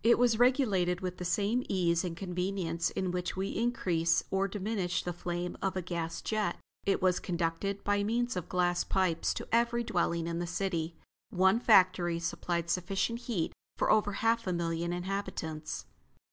It was regulated with the same ease and convenience with which we increase or diminish the flames of a gas jet. It was conducted, by means of glass pipes, to every dwelling in the city. One factory supplied sufficient heat for over half a million inhabitants.